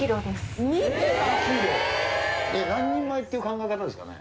何人前っていう考え方ですかね？